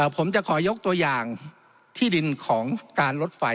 ผมจะขอยกตัวอย่างที่ดินของการลดไฟ